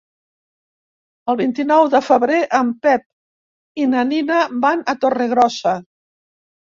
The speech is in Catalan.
El vint-i-nou de febrer en Pep i na Nina van a Torregrossa.